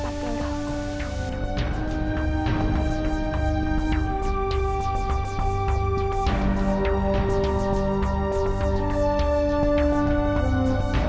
ke tempat tembaku